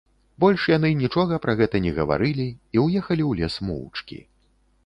Больш яны нічога пра гэта не гаварылі і ўехалі ў лес моўчкі.